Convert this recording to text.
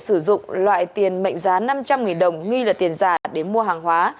sử dụng loại tiền mệnh giá năm trăm linh đồng nghi là tiền giả